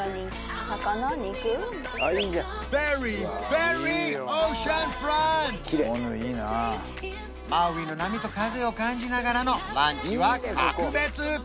ベリーマウイの波と風を感じながらのランチは格別！